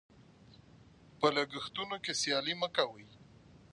په لګښتونو کې سیالي مه کوئ.